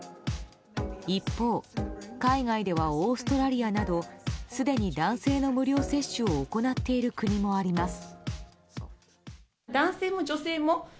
一方、海外ではオーストラリアなどすでに男性の無料接種を行っている国もあります。